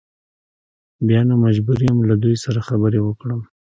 بیا نو مجبور یم له دوی سره خبرې وکړم.